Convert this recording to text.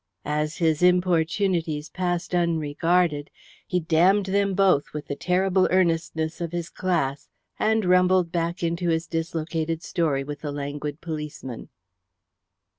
As his importunities passed unregarded he damned them both with the terrible earnestness of his class, and rumbled back into his dislocated story with the languid policeman.